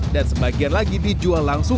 dan sebagian lagi dijual langsung